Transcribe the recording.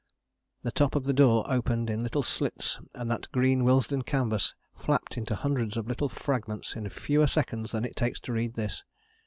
The top of the door opened in little slits and that green Willesden canvas flapped into hundreds of little fragments in fewer seconds than it takes to read this.